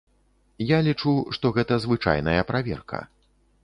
Я лічу, што гэта звычайная праверка.